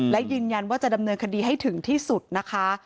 และยืนยันว่าจะดำเนินคดีให้ถึงที่สุดนะคะ